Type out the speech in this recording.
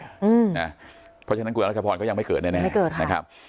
เพราะฉะนั้นคุณอาจารย์พรก็ยังไม่เกิดเลยนะครับ